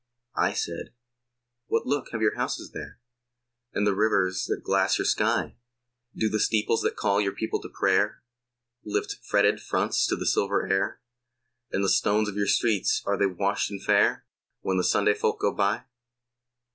I said: What look have your houses there, And the rivers that glass your sky? Do the steeples that call your people to prayer Lift fretted fronts to the silver air, And the stones of your streets, are they washed and fair When the Sunday folk go by?